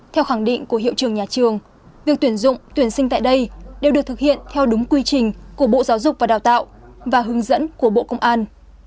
theo khẳng định của hiệu trường nhà trường việc tuyển dụng tuyển sinh tại đây đều được thực hiện theo đúng quy trình của bộ giáo dục và đào tạo và hướng dẫn của bộ công an